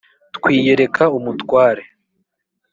Twiyereka umutware